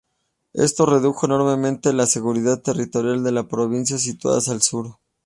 Esto redujo enormemente la seguridad territorial de las provincias situadas al sur.